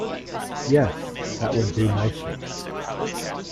Yes, that would do nicely.